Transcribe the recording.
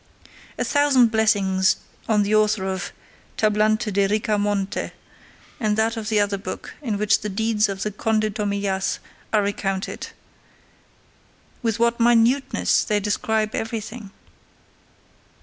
A thousand blessings on the author of "Tablante de Ricamonte" and that of the other book in which the deeds of the Conde Tomillas are recounted; with what minuteness they describe everything!